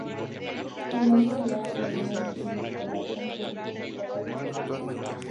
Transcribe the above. El nombre de Lada proviene del latín "Aqua Latam" que significa "aguas medicinales".